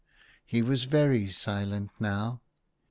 He was very silent now.